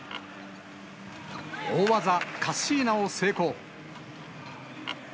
大技、カッシーナを成功。